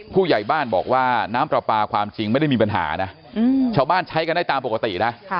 ผู้ใหญ่บ้านบอกว่าน้ำปลาปลาความจริงไม่ได้มีปัญหานะชาวบ้านใช้กันได้ตามปกตินะ